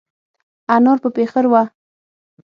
انار په پېخر وه.